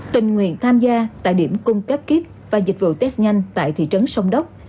tình nguyện tham gia tại điểm cung cấp kit và dịch vụ test nhanh tại thị trấn sông đốc